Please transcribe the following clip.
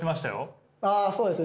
あそうですね